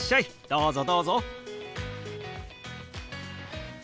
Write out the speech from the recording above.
どうぞどうぞ。